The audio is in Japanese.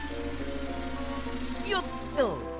よっと！